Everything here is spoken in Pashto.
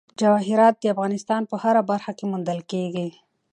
جواهرات د افغانستان په هره برخه کې موندل کېږي.